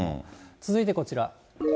続いてこちら。